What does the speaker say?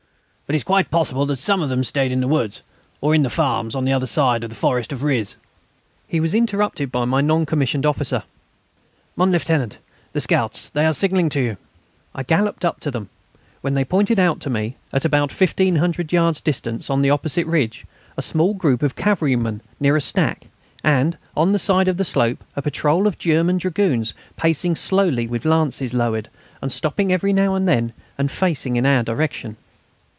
But it is quite possible that some of them stayed in the woods, or in the farms, on the other side of the forest of Riz...." He was interrupted by my non commissioned officer: "Mon Lieutenant, the scouts ... they are signalling to you...." I galloped up to them, when they pointed out to me, at about 1,500 yards distance, on the opposite ridge, a small group of cavalrymen near a stack, and, on the side of the slope, a patrol of German dragoons, pacing slowly with lances lowered and stopping every now and then facing in our direction.